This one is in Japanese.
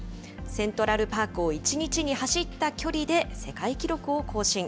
セントラルパークを１日に走った距離で世界記録を更新。